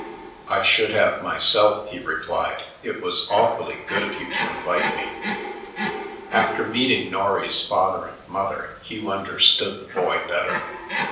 "I should have myself," he replied. "It was awfully good of you to invite me." After meeting Norry's father and mother, Hugh understood the boy better.